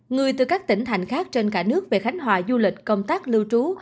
người từ các tỉnh thành khác trên cả nước về khánh hòa du lịch công tác lưu trú